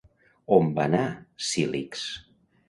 On va anar Cílix?